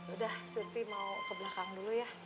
udah supi mau ke belakang dulu ya